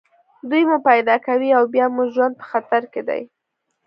دوی مو پیدا کوي او بیا مو ژوند په خطر کې دی